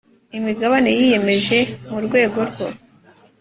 imigabane yiyemeje mu rwego rwo